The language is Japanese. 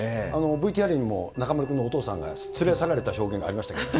ＶＴＲにも中丸君のお父さんが連れ去られた証言がありましたけど。